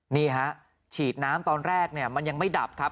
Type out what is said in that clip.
นี่ฮะฉีดน้ำตอนแรกเนี่ยมันยังไม่ดับครับ